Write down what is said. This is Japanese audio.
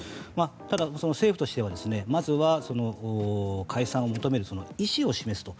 ただ、政府としては、まずは解散を求める意思を示すと。